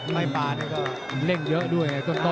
ไม่ป่าเนี่ยก็